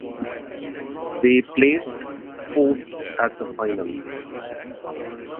They placed fourth at the Final.